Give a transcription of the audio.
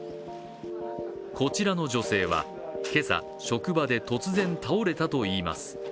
こちらの女性は今朝、職場で突然倒れたといいます。